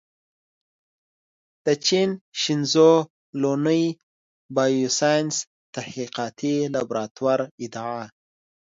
د چین شینزو لونوي بایوساینس تحقیقاتي لابراتوار ادعا